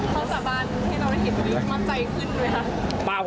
เขาสบานให้เราได้เห็นเวลูกมั่นใจขึ้นไหมคะ